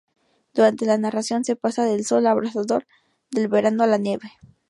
Durante la narración se pasa del sol abrasador del verano a la nieve.